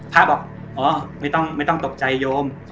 พระบาทบอกอ๋อไม่ต้องไม่ต้องตกใจโยม